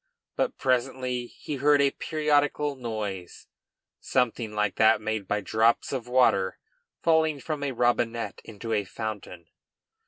But presently he heard a periodical noise, something like that made by drops of water falling from a robinet into a fountain.